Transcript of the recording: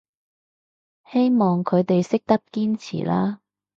希望佢哋識得堅持啦